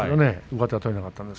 上手は取れなかったんです